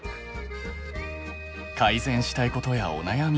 改善したいことやお悩み